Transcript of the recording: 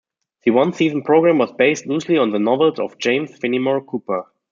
The one-season program was based loosely on the novels of James Fenimore Cooper.